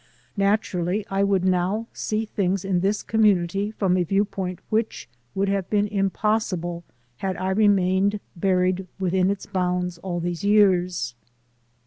Naturally I would now see things in this community from a viewpoint which would have been impossible had I remained buried within its bounds all these years.